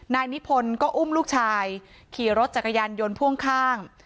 นายนิพนธ์ก็อุ้มลูกชายขี่รถจักรยานยนต์พ่วงข้าง